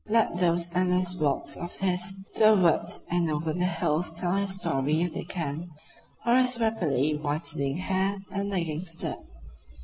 Let those endless walks of his through the woods and over the hills tell his story if they can; or his rapidly whitening hair, and lagging step.